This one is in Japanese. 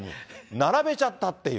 並べちゃったっていう。